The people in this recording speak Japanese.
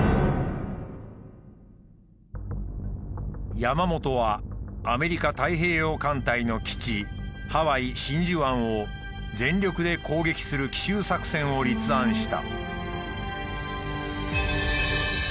山本はアメリカ太平洋艦隊の基地ハワイ真珠湾を全力で攻撃する奇襲作戦を立案した。